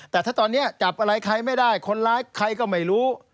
แต่ถ้าตอนนี้จับอะไรใครไม่ได้คนร้ายใครก็ไม่รู้